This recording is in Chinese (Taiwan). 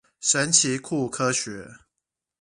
神奇酷科學